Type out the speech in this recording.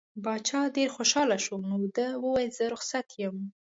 باچا ډېر خوشحاله شو نو ده وویل زه رخصت یم.